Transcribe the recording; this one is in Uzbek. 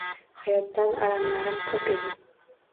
Hayotdan alamlarim ko'p edi